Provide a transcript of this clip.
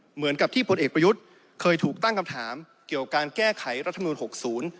เหมือนกับที่พลเอกประยุทธ์เคยถูกตั้งคำถามเกี่ยวการแก้ไขรัฐมนุนหกศูนย์